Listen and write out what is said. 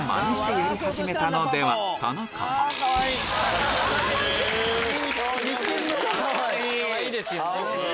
かわいいですよね。